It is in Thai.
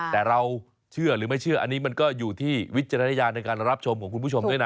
แต่เราเชื่อหรือไม่เชื่ออันนี้มันก็อยู่ที่วิจารณญาณในการรับชมของคุณผู้ชมด้วยนะ